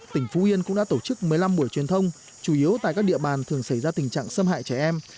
tỉnh phú yên cũng đã tổ chức một mươi năm buổi truyền thông chủ yếu tại các địa bàn thường xảy ra tình trạng xâm hại trẻ em